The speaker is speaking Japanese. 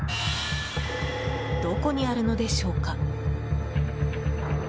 どこにあるのでしょうか？